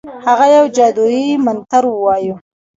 هغه یو جادویي منتر ووایه.